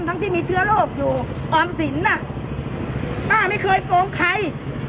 ทั้งที่มีเชื้อโรคอยู่ออมสินน่ะป้าไม่เคยโกงใคร